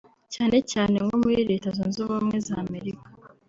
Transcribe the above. cyane cyane nko muri Leta Zunze Ubumwe za Amerika